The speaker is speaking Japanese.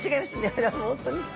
これはもう本当に。